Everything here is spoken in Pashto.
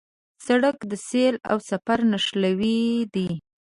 سړک د سیل او سفر نښلوی دی.